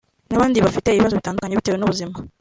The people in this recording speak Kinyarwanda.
n’abandi bafite ibibazo bitandukanye bitewe n’ubuzima